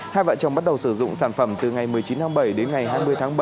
hai vợ chồng bắt đầu sử dụng sản phẩm từ ngày một mươi chín tháng bảy đến ngày hai mươi tháng bảy